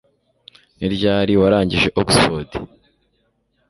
Ni ryari warangije Oxford